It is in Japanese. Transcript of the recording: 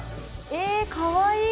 えかわいい。